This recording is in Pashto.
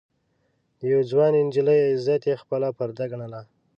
د يوې ځوانې نجلۍ عزت يې خپله پرده ګڼله.